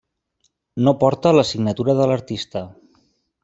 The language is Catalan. No porta la signatura de l'artista.